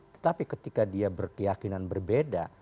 tetapi ketika dia berkeyakinan berbeda